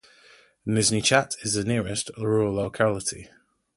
Nizhny Chat is the nearest rural locality.